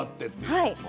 はい。